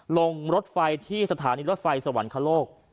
ลงรถไฟที่สถานีรถไฟสวรรคโลก